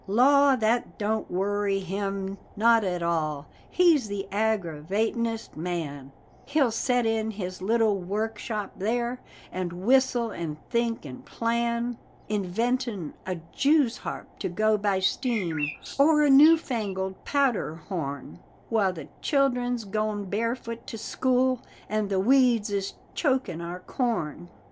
Law! that don't worry him not at all; he's the aggravatinest man He'll set in his little workshop there, and whistle and think and plan, Inventin' a Jews harp to go by steam, or a new fangled powder horn, While the children's goin' barefoot to school, and the weeds is chokin' our corn.